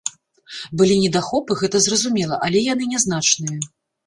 Былі недахопы, гэта зразумела, але яны нязначныя.